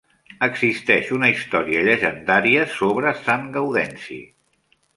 Existeix una història llegendària sobre Sant Gaudenci.